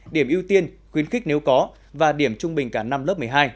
điểm ưu tiên khuyến khích nếu có và điểm trung bình cả năm lớp một mươi hai